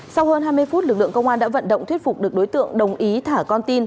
sau hơn hai mươi phút lực lượng công an đã vận động thuyết phục được đối tượng đồng ý thả con tin